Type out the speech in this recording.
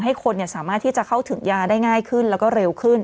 ให้คนสามารถที่จะเข้าถึงยาได้ง่ายขึ้นแล้วก็เร็วขึ้น